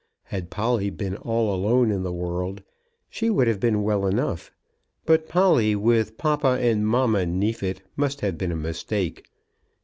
Had Polly been all alone in the world she would have been well enough, but Polly with papa and mamma Neefit must have been a mistake.